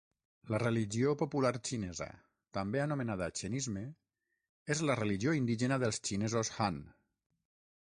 La religió popular xinesa, també anomenada Xenisme, és la religió indígena dels xinesos Han.